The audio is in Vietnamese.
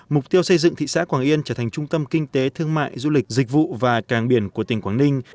mục tiêu xây dựng thị xã quảng yên trở thành trung tâm kinh tế thương mại du lịch dịch vụ và càng biển của tỉnh quảng ninh